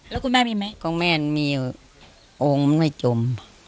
แล้วคุณแม่มีไหมคุณแม่มีโอ้งไม่จม